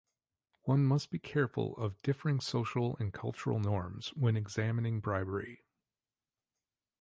One must be careful of differing social and cultural norms when examining bribery.